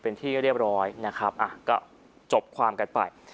เป็นที่เรียบร้อยนะครับก็จบความกันไป